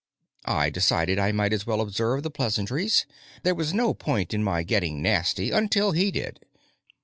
I decided I might as well observe the pleasantries. There was no point in my getting nasty until he did.